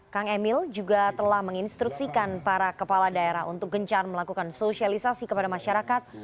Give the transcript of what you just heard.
kang emil juga telah menginstruksikan para kepala daerah untuk gencar melakukan sosialisasi kepada masyarakat